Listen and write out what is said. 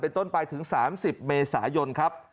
ต้นไปถึง๓๐เมษายนครับ